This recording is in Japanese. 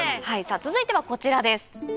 続いてはこちらです。